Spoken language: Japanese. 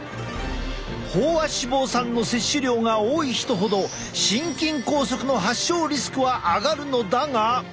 飽和脂肪酸の摂取量が多い人ほど心筋梗塞の発症リスクは上がるのだが。